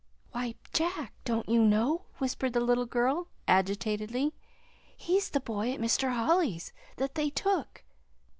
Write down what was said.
"Why, Jack, don't you know?" whispered the little girl agitatedly. "He's the boy at Mr. Holly's that they took."